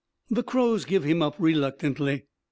The crows give him up reluctantly.